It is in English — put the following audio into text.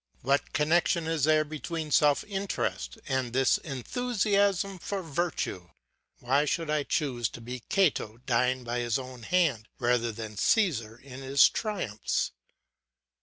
What connection is there between self interest and this enthusiasm for virtue? Why should I choose to be Cato dying by his own hand, rather than Caesar in his triumphs?